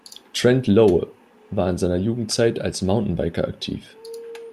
Trent Lowe war in seiner Jugendzeit als Mountainbiker aktiv.